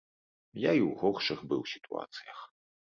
Я і ў горшых быў сітуацыях.